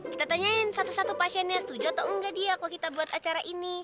kita tanyain satu satu pasiennya setuju atau enggak dia kalau kita buat acara ini